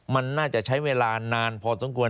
มันน่าจะใช้เวลานานพอสมควร